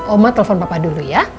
oma telpon papa dulu ya